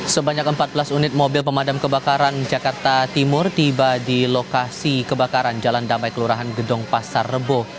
sebanyak empat belas unit mobil pemadam kebakaran jakarta timur tiba di lokasi kebakaran jalan damai kelurahan gedong pasar rebo